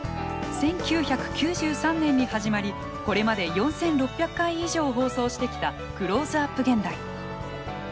１９９３年に始まりこれまで４，６００回以上放送してきた「クローズアップ現代」。